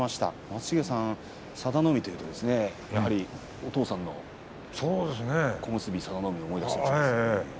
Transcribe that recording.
松重さん、佐田の海というとお父さんの小結佐田の海を思い出しますね。